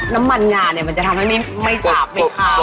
น้ำมันงาเนี่ยมันจะทำให้ไม่สาบไม่ขาว